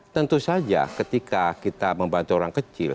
tentu saja ketika kita membantu orang kecil